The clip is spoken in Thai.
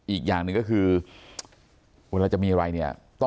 อีกอย่างหนึ่งก็คือเวลาจะมีอะไรเนี่ย